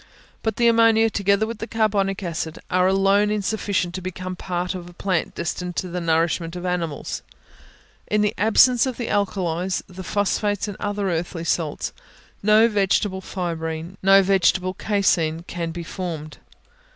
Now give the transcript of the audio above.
But the ammonia, together with the carbonic acid, are alone insufficient to become part of a plant destined to the nourishment of animals. In the absence of the alkalies, the phosphates and other earthy salts, no vegetable fibrine, no vegetable caseine, can be formed.